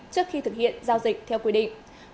trước khi thực hiện giao dịch theo quy định